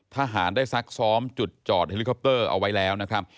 ทหารได้ซักซ้อมจุดจอดเฮลิคอปเตอร์เอาไว้แล้วนะครับ